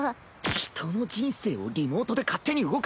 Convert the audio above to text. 人の人生をリモートで勝手に動かすな！